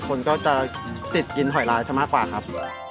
คนก็จะติดกินหอยร้ายซะมากกว่าครับ